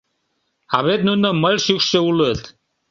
А вет нуно мыль шӱкшӧ улыт...